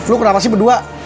lu kenapa sih berdua